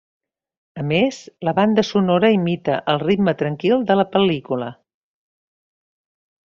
A més, la banda sonora imita el ritme tranquil de la pel·lícula.